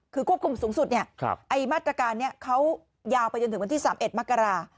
คือควบคุมสูงสุดเนี่ยไอ้มาตรการเนี่ยเขายาวไปจนถึงวันที่๓๑มักกรา